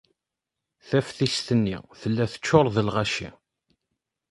Taftist-nni tella teččuṛ d lɣaci.